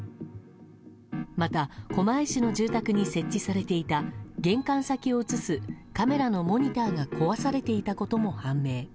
また、狛江市の住宅に設置されていた玄関先を映すカメラのモニターが壊されていたことも判明。